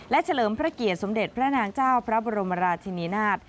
เฉลิมพระเกียรติสมเด็จพระนางเจ้าพระบรมราชินีนาฏ